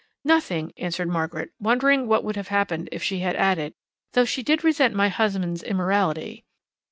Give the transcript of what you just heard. "Nothing," answered Margaret, wondering what would have happened if she had added: "Though she did resent my husband's immorality."